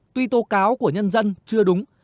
tuy tố cáo của nhân dân chưa đúng